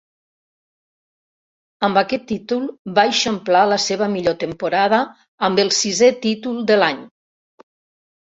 Amb aquest títol va eixamplar la seva millor temporada amb el sisè títol de l'any.